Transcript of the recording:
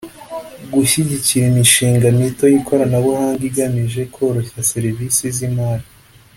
gushyigikira imishinga mito y’ikoranabuhanga igamije koroshya serivisi z’imari